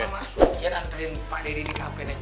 bisa nanti pak deddy dikabin ya